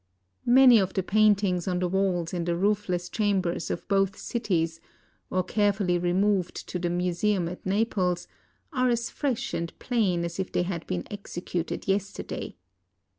... Many of the paintings on the walls in the roofless chambers of both cities, or carefully removed to the museum at Naples, are as fresh and plain as if they had been executed yesterday.